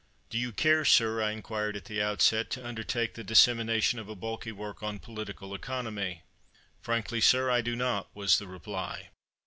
"Do you care, sir," I inquired at the outset, "to undertake the dissemination of a bulky work on Political Economy?" "Frankly, sir, I do not," was the reply.